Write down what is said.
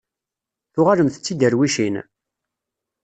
Tuɣalemt d tiderwicin?